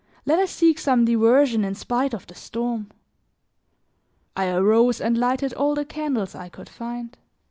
Let us seek some diversion in spite of the storm." I arose and lighted all the candles I could find.